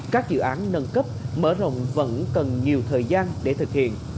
các dự án nâng cấp mở rộng vẫn cần nhiều thời gian để thực hiện